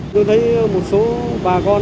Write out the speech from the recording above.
tôi thấy một số bà con